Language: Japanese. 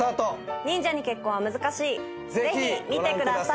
『忍者に結婚は難しい』ぜひ見てください。